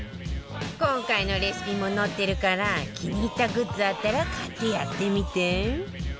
今回のレシピも載ってるから気に入ったグッズあったら買ってやってみて